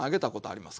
あります。